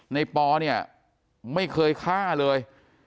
ปอเนี่ยไม่เคยฆ่าเลย